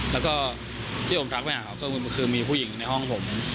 แล้วก็ที่ผมทักไปหาเขาก็คือมีผู้หญิงในห้องผม